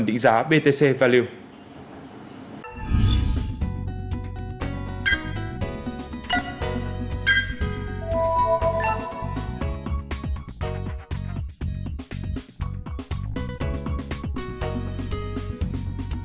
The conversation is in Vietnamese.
định giá btc value